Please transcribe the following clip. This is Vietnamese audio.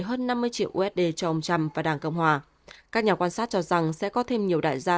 hơn năm mươi triệu usd cho ông trump và đảng cộng hòa các nhà quan sát cho rằng sẽ có thêm nhiều đại gia